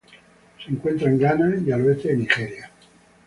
Se encuentra en Ghana y al oeste de Nigeria.